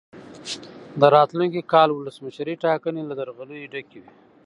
د راتلونکي کال ولسمشرۍ ټاکنې له درغلیو ډکې وې.